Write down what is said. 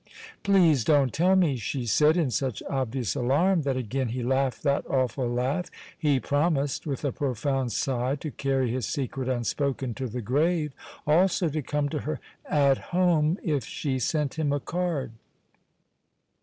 "Please don't tell me," she said, in such obvious alarm that again he laughed that awful laugh. He promised, with a profound sigh, to carry his secret unspoken to the grave, also to come to her "At Home" if she sent him a card.